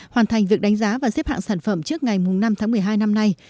hoàn thành việc đánh giá và xếp hạng sản phẩm trước ngày năm tháng một mươi hai năm nay